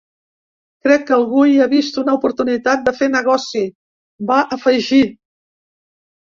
Crec que algú hi ha vist una oportunitat de fer negoci, va afegir.